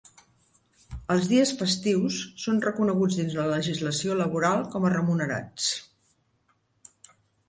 Els dies festius són reconeguts dins la legislació laboral com a remunerats.